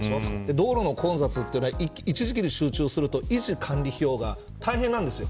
道路の混雑は一時期に集中すると維持管理費用が大変ですよ。